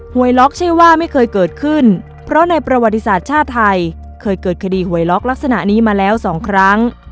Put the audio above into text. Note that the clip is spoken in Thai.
วยล็อกเชื่อว่าไม่เคยเกิดขึ้นเพราะในประวัติศาสตร์ชาติไทยเคยเกิดคดีหวยล็อกลักษณะนี้มาแล้วสองครั้ง